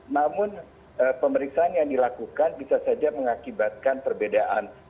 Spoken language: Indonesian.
namun pemeriksaan yang dilakukan bisa saja mengakibatkan perbedaan